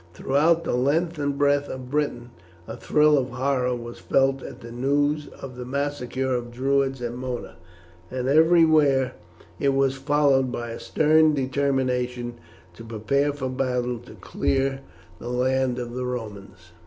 Throughout the length and breadth of Britain a thrill of horror was felt at the news of the massacre of Druids at Mona, and everywhere it was followed by a stern determination to prepare for battle to clear the land of the Romans.